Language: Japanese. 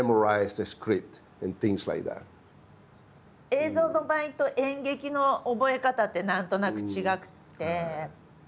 映像の場合と演劇の覚え方って何となく違くて。